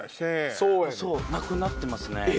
なくなってますね。